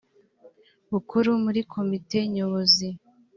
bukuru muri komite nyobozi